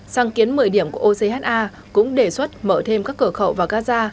sáng kiến một mươi điểm của ocha cũng đề xuất mở thêm các cửa khẩu vào gaza